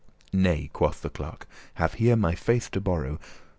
"Nay," quoth the clerk, *"have here my faith to borrow."